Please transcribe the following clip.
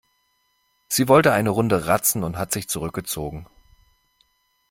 Sie wollte eine Runde ratzen und hat sich zurückgezogen.